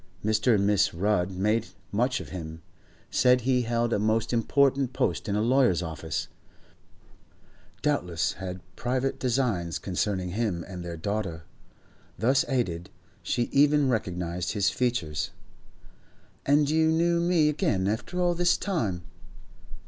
Mr. and Mrs. Rudd made much of him, said that he held a most important post in a lawyer's office, doubtless had private designs concerning him and their daughter. Thus aided, she even recognised his features. 'And you knew me again after all this time?